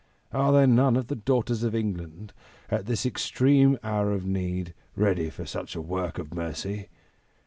Are there none of the daughters of England, at this extreme hour of need, ready for such a work of mercy?